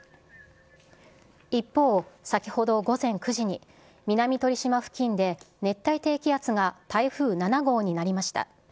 一方、先ほど午前９時に、南鳥島付近で熱帯低気圧が台風７号になりました。